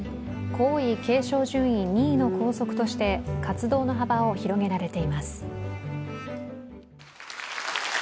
皇位継承順位２位の皇族として活動の幅を広げられています。